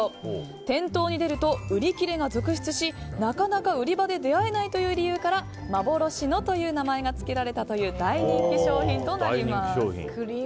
店頭に出ると売り切れが続出しなかなか売り場で出会えないという理由から幻のという名前がつけられたという大人気商品となります。